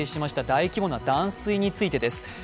大規模な断水についてです。